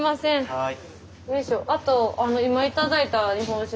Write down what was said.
はい！